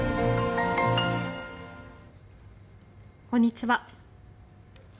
こんにちは。